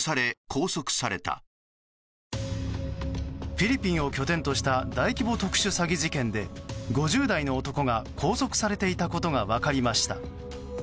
フィリピンを拠点とした大規模特殊詐欺事件で５０代の男が拘束されていたことが分かりました。